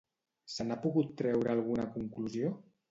Se n'ha pogut treure alguna conclusió?